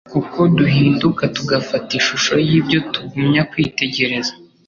kuko duhinduka tugafata ishusho y'ibyo tugumya kwitegereza.